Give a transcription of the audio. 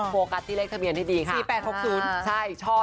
โปรกัสที่เลขทะเบียนให้ดีค่ะ